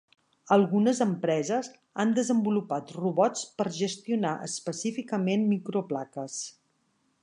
Algunes empreses han desenvolupat robots per gestionar específicament microplaques.